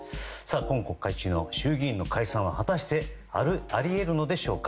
今国会中の衆議院の解散は果たしてあり得るのでしょうか。